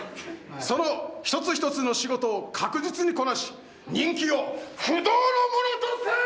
その１つ１つの仕事を確実にこなし人気を不動のものとせよ！